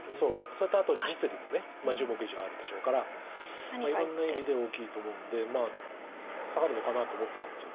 それとあと実利も１０目以上あるでしょうからいろんな意味で大きいと思うんでサガるのかなと思ってたんです僕は。